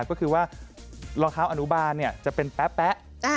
ก็คือว่ารองเท้าอนุบาลจะเป็นแป๊ะ